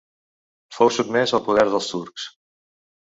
Fou sotmès al poder dels turcs.